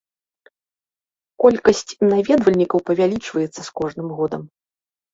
Колькасць наведвальнікаў павялічваецца з кожным годам.